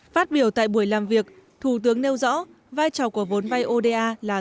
phát biểu tại buổi làm việc thủ tướng nêu rõ vai trò của vốn vai oda là rất khó